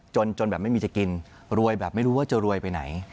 จนจนแบบไม่มีจะกินรวยแบบไม่รู้ว่าจะรวยไปไหน